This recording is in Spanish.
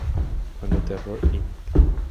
Cuando Terror Inc.